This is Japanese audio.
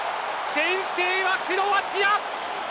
先制はクロアチア！